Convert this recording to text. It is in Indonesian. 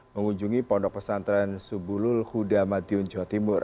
mengunjungi pondok pesantren subulul hudamadiyun jawa timur